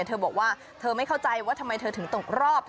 เธอบอกว่าเธอไม่เข้าใจเธอถึงตกรอบ